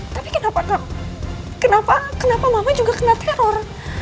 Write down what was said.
tapi kenapa kenapa kenapa mama juga kena teror